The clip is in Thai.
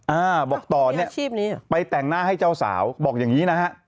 อ่าบอกต่อเนี่ยชีพนี้ไปแต่งหน้าให้เจ้าสาวบอกอย่างนี้นะฮะ